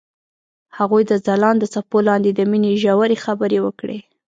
هغوی د ځلانده څپو لاندې د مینې ژورې خبرې وکړې.